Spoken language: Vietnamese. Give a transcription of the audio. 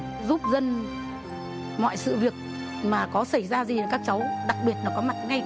giúp dân mọi sự việc mà có xảy ra gì là các cháu đặc biệt là có mặt ngay